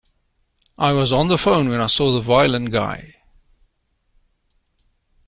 I was on the phone when I saw the violin guy.